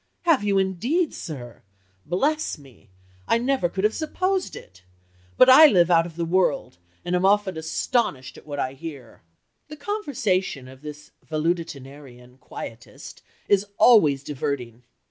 "'Have you, indeed, sir? Bless me! I never could have supposed it. But I live out of the world, and am often astonished at what I hear.'" The conversation of this valetudinarian quietist is always diverting.